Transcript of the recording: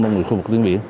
trong khu vực tuyên biển